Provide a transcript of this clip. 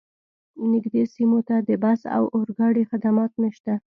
نږدې سیمو ته د بس او اورګاډي خدمات نشته